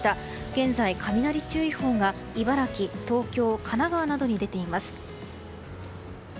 現在、雷注意報が茨城、東京神奈川などに出ています。